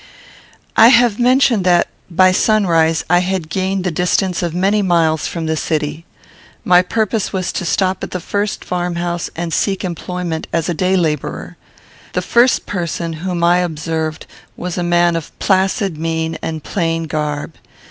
I have mentioned that, by sunrise, I had gained the distance of many miles from the city. My purpose was to stop at the first farm house, and seek employment as a day labourer. The first person whom I observed was a man of placid mien and plain garb.